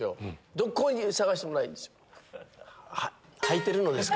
どこ探してもないんです。